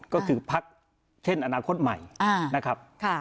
ก็คือพักเช่นอนาคตใหม่นะครับ